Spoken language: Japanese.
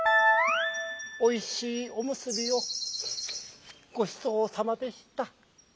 「おいしいおむすびをごちそうさまでした。